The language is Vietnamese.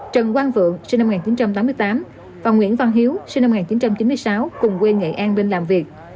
trần quang vượng sinh năm một nghìn chín trăm tám mươi tám và nguyễn văn hiếu sinh năm một nghìn chín trăm chín mươi sáu cùng quê nghệ an bên làm việc